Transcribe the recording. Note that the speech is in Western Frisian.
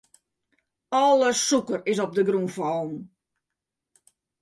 Alle sûker is op de grûn fallen.